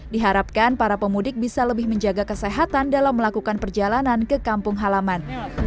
diharapkan para pemudik bisa lebih menjaga kesehatan dalam melakukan perjalanan ke kampung halaman